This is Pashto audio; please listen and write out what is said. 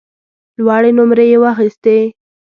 لوړې نمرې یې واخیستې.